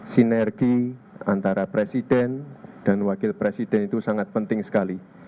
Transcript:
sinergi antara presiden dan wakil presiden itu sangat penting sekali